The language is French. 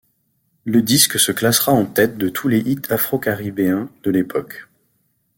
Le disque se classera en tête de tous les hits afro-caribéens de l'époque.